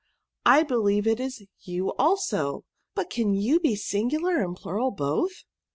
I believe it is you also ; but can you be singular and plural both